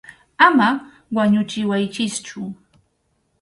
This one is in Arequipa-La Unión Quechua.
Ama wañuchiwaychikchu.